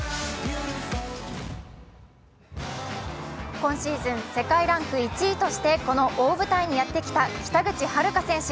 今シーズン世界ランク１位としてこの大舞台にやってきた北口榛花選手。